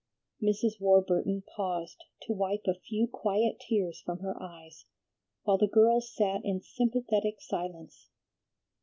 Mrs. Warburton paused to wipe a few quiet tears from her eyes, while the girls sat in sympathetic silence.